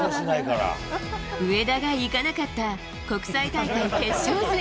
上田が行かなかった、国際大会決勝戦。